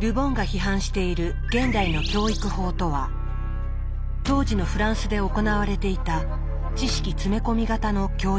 ル・ボンが批判している「現代の教育法」とは当時のフランスで行われていた知識詰め込み型の教育でした。